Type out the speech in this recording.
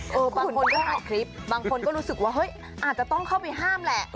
บางคนก็ถ่ายคลิปบางคนก็รู้สึกว่าเฮ้ยอาจจะต้องเข้าไปห้ามแหละ